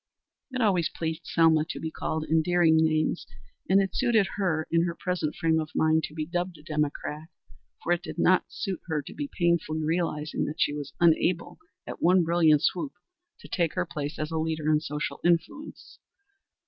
It always pleased Selma to be called endearing names, and it suited her in her present frame of mind to be dubbed a democrat, for it did not suit her to be painfully realizing that she was unable, at one brilliant swoop, to take her place as a leader in social influence.